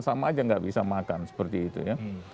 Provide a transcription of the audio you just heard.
sama aja nggak bisa makan seperti itu ya